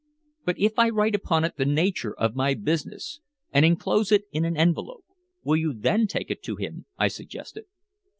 "But if I write upon it the nature of my business, and enclose it in an envelope, will you then take it to him?" I suggested.